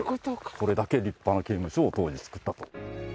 これだけ立派な刑務所を当時作ったと。